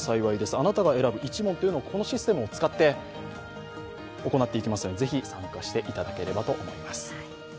あなたが選ぶ一問をこのシステムを使って行っていきますのでぜひ、参加していただければと思います。